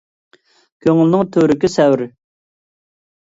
كۆڭۈلنىڭ تۆۋرۈكى سەۋر.